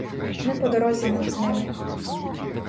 Не по дорозі нам з ними.